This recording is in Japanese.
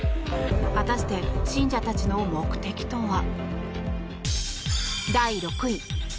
果たして信者たちの目的とは。